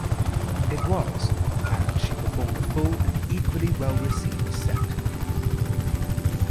It was, and she performed a full and equally well-received set.